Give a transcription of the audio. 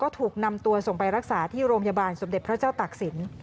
ถูกนำตัวส่งไปรักษาที่โรงพยาบาลสมเด็จพระเจ้าตักศิลป์